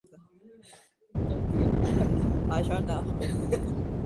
Uzoq yashashning birdan-bir siri umrni qisqartirmaslikda.